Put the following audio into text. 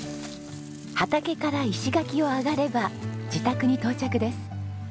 畑から石垣を上がれば自宅に到着です。